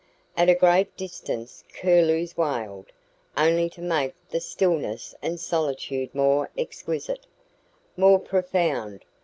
At a great distance curlews wailed, only to make the stillness and solitude more exquisite, more profound.